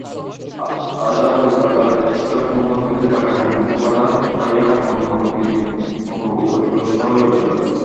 আশা কলিকাতার ইষ্টকবন্ধন হইতে বাগানের মধ্যে ছাড়া পাইয়া বন্যমৃগীর মতো উল্লসিত হইয়া উঠিল।